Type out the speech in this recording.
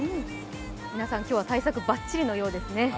皆さん、今日は対策ばっちりのようですね。